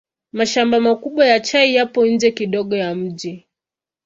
Mashamba makubwa ya chai yapo nje kidogo ya mji.